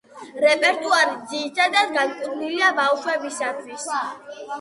რეპერტუარი ძირითადად განკუთვნილია ბავშვებისათვის.